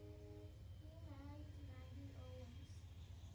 He married Maggie Owens.